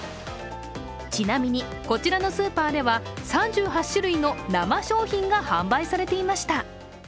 ちなみにこちらのスーパーでは３８種類の生商品が販売されていました。